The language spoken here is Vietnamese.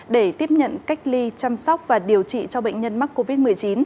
để tiếp nhận cách ly chăm sóc và điều trị cho bệnh nhân mắc covid một mươi chín